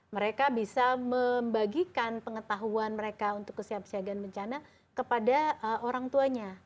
mereka bisa membagikan pengetahuan mereka untuk kesiapsiagaan bencana kepada orang tuanya